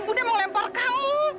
budi yang mau lempar kamu